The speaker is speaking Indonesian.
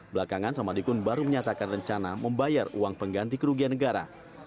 belakangan samadikun baru menyatakan rencana membayar uang pengganti kerugian negara